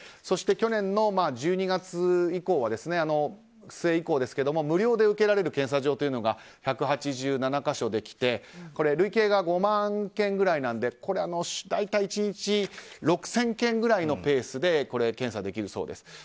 そして去年の１２月以降は無料で受けられる検査場が１８７か所できて累計が５万件ぐらいなので大体１日６０００件ぐらいのペースで検査できるそうです。